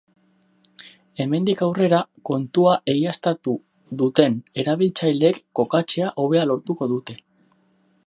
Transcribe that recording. Hemendik aurrera, kontua egiaztatu duten erabiltzaileek kokatzea hobea lortuko dute.